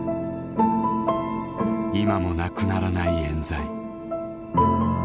今もなくならないえん罪。